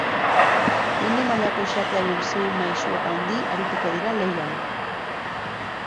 Mundu mailako xakearen sei maisu handi arituko dira lehian.